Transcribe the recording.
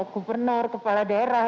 gubernur kepala daerah